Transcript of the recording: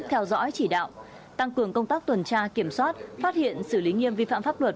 theo dõi chỉ đạo tăng cường công tác tuần tra kiểm soát phát hiện xử lý nghiêm vi phạm pháp luật